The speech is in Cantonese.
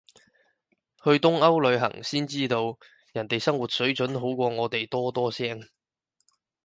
去東歐旅行先知道，人哋生活水準好過我哋多多聲